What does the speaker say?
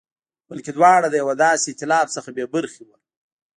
بلکې دواړه له یوه داسې اېتلاف څخه بې برخې وو.